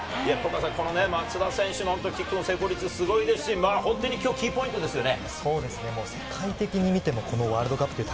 松田選手のキックの成功率すごいですし、本当にキーポイントですよね。